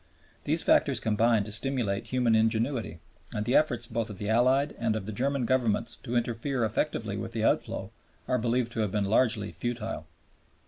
These factors combined to stimulate human ingenuity, and the efforts both of the Allied and of the German Governments to interfere effectively with the outflow are believed to have been largely futile.